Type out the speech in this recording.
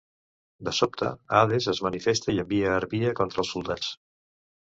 De sobte, Hades es manifesta i envia Harpia contra els soldats.